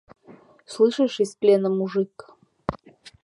Слышишь, из плена мужик.